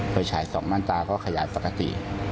ผ่วยฉาย๒มั่นตาก็ขยายปกติ